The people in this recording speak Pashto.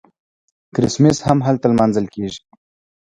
کریسمس هم هلته لمانځل کیږي.